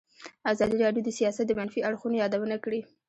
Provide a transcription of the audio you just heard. ازادي راډیو د سیاست د منفي اړخونو یادونه کړې.